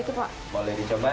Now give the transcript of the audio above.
cuma gak boleh diambil sih